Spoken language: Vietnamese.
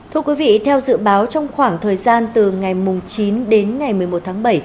thưa quý vị theo dự báo trong khoảng thời gian từ ngày chín đến ngày một mươi một tháng bảy